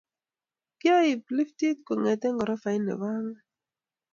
Kya ib liftit kongete korofait nebo angwan.